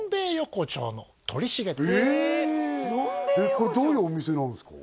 これどういうお店なんですか？